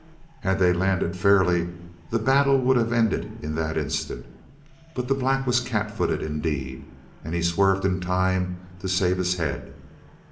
Had they landed fairly the battle would have ended in that instant, but the black was cat footed indeed, and he swerved in time to save his head.